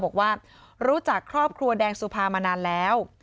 บอกว่ารู้จักครอบครัวแดงสุภามานานแล้ว